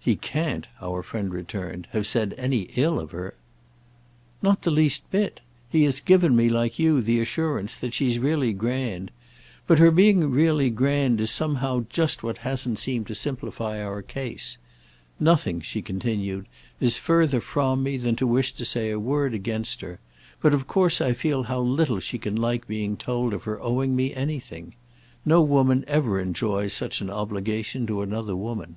"He can't," our friend returned, "have said any ill of her." "Not the least bit. He has given me, like you, the assurance that she's really grand. But her being really grand is somehow just what hasn't seemed to simplify our case. Nothing," she continued, "is further from me than to wish to say a word against her; but of course I feel how little she can like being told of her owing me anything. No woman ever enjoys such an obligation to another woman."